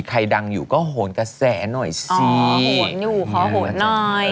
ใครดังอยู่ก็โหนกระแสหน่อยสิโหนอยู่ขอโหนหน่อย